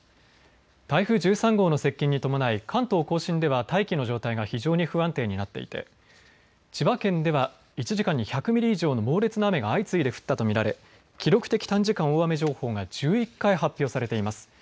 台風１３号の接近に伴い関東甲信では大気の状態が非常に不安定になっていて千葉県では１時間に１００ミリ以上の猛烈な雨が相次いで降ったと見られ記録的短時間大雨情報が１１回発表されています。